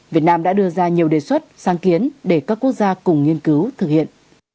việt nam đã đưa ra nhiều đề xuất sáng kiến để các quốc gia cùng nghiên cứu thực hiện